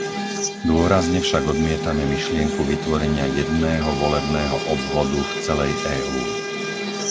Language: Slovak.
Dôrazne však odmietame myšlienku vytvorenia jedného volebného obvodu v celej EÚ.